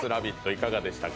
いかがでしたか？